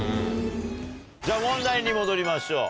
じゃあ問題に戻りましょう。